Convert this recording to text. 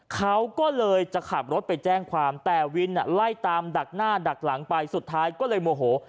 เขาก็เลยจะขับรถไปแจ้งความแต่วินไล่ตามดักหน้าดักหลังไปสุดท้ายก็เลยโมโห